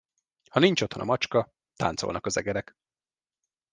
Ha nincs otthon a macska, táncolnak az egerek.